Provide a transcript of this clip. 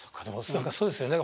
そうですよね。